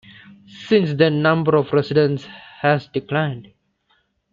Since then, the number of residents has declined.